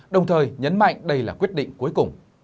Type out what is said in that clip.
đồng thời nhấn mạnh đây là quyết định cuối cùng